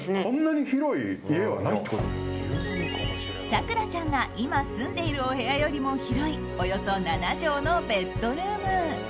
咲楽ちゃんが今住んでいるお部屋よりも広いおよそ７畳のベッドルーム。